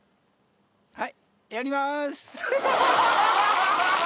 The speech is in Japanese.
はい。